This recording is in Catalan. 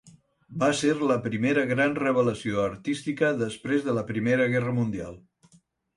Va ser la primera gran revelació artística després de la Primera Guerra mundial.